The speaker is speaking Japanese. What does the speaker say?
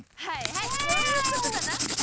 はいはいそういうことだな。